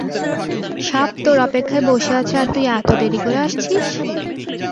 সাপ তোর অপেক্ষায় বসে আছে আর তুই এত দেরি করে আসছিস!